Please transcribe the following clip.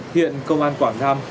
hiện công an quảng nam